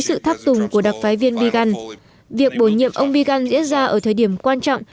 sự tháp tùng của đặc phái viên biegun việc bổ nhiệm ông biegun diễn ra ở thời điểm quan trọng